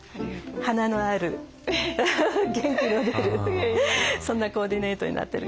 華のある元気の出るそんなコーディネートになってるかなと思います。